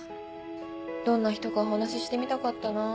どんな人かお話ししてみたかったなぁ。